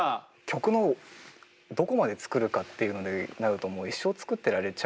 曲のどこまで作るかっていうのになるともうなるほど。